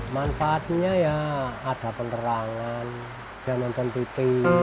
manfaatnya ya ada penerangan dan nonton tv